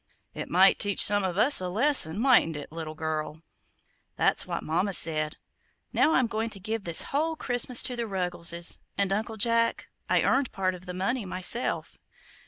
"It might teach some of us a lesson, mightn't it, little girl?" "That's what Mama said. Now I'm going to give this whole Christmas to the Ruggleses; and, Uncle Jack, I earned part of the money myself."